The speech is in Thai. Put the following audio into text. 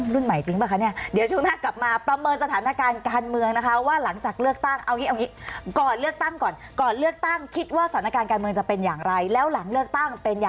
รุ่นใหม่จิ๊กบ่ะอาไมท์จามสักครู่ค่ะ